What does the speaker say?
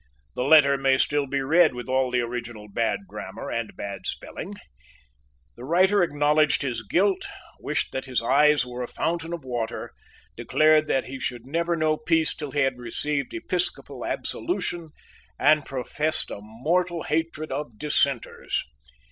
The letter may still be read with all the original bad grammar and bad spelling. The writer acknowledged his guilt, wished that his eyes were a fountain of water, declared that he should never know peace till he had received episcopal absolution, and professed a mortal hatred of Dissenters.